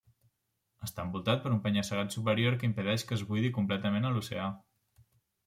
Està envoltat per un penya-segat superior que impedeix que es buidi completament a l'oceà.